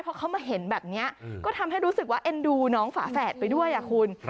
พอเขามาเห็นแบบนี้ก็ทำให้รู้สึกว่าเอ็นดูน้องฝาแฝดไปด้วยคุณ